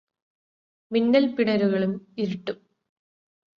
മിന്നല്പിണരുകളും ഇരുട്ടും